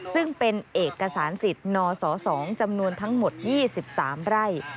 ซึ่งเป็นเอกสารสิทธิ์นส๒จำนวนทั้งหมด๒๓ไร่